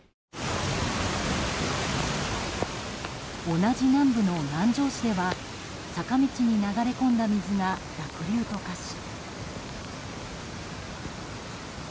同じ南部の南城市では坂道に流れ込んだ水が濁流と化し。